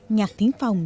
nhạc tính phòng